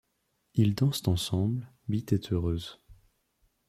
Ils dansent ensemble, Beate est heureuse.